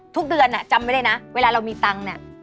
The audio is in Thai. ทุกเดือนจำไม่ได้นะเวลาเรามีตังค์เนี่ย